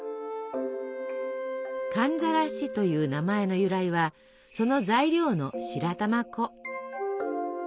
「寒ざらし」という名前の由来はその材料の白玉粉。